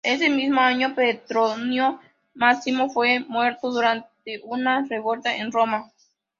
Ese mismo año, Petronio Máximo fue muerto durante una revuelta en Roma.